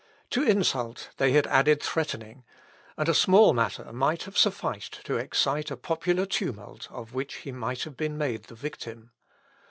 To insult they had added threatening; and a small matter might have sufficed to excite a popular tumult of which he might have been made the victim.